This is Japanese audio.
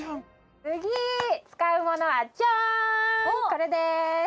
これです！